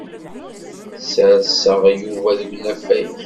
Sserseɣ Yuba deg unafag.